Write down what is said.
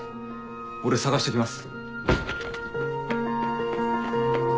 俺捜して来ます。